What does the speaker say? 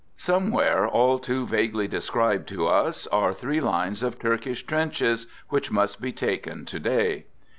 Somewhere (all too vaguely described to us) are three lines of Turkish trenches which must be taken to day.